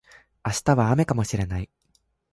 明日は雨かもしれない